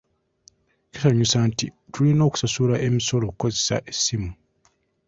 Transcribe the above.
Kisanyusa nti kati tulina okusasula emisolo okukozesa essimu.